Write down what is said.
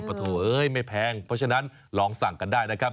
โถเอ้ยไม่แพงเพราะฉะนั้นลองสั่งกันได้นะครับ